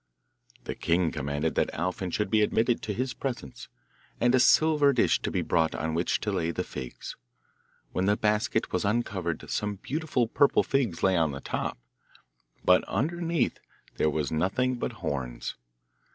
The king commanded that Alfin should be admitted to his presence, and a silver dish to be brought on which to lay the figs. When the basket was uncovered some beautiful purple figs lay on the top, but underneath there was nothing but horns.